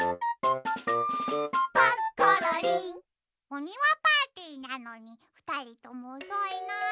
おにわパーティーなのにふたりともおそいな。